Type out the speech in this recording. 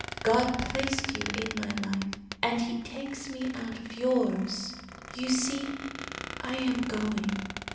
God placed you in my life, and He takes me out of yours. You see, I am going.